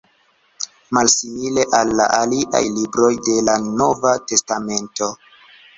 Malsimile al la aliaj libroj de la Nova testamento.